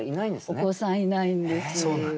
お子さんいないんです。